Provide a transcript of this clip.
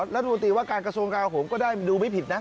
แล้วดูดีว่าการกระทรวงการของผมก็ได้ดูไม่ผิดนะ